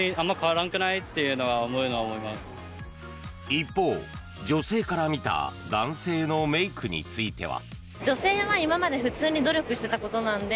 一方、女性から見た男性のメイクについては。